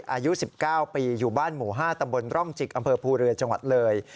อายุ๑๙ปีอยู่บ้านหมู่๕ตำบลร่องจิกอำเภอภูเรือจังหวัดเลย